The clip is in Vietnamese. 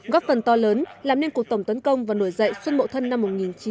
góc phần to lớn làm nên cuộc tổng tấn công và nổi dậy xuân mộ thân năm một nghìn chín trăm sáu mươi tám